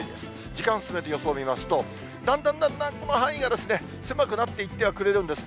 時間進めて予想見ますと、だんだんだんだん、この範囲が狭くなっていってはくれるんです。